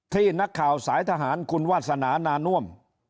ที่นักข่าวสายทหารคุณวาสนานาน่วม